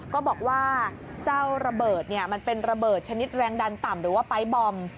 ก็บอกว่าเจ้าระเบิดมันเป็นระเบิดชนิดแรงดันต่ำหรือว่าปลายบอม